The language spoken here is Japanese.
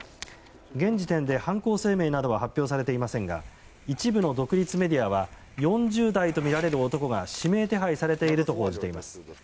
現時点で犯行声明などは発表されていませんが一部の独立メディアは４０代とみられる男が指名手配されていると報じています。